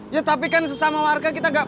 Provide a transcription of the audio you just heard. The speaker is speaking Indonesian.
ya tapi kan sesama warga kita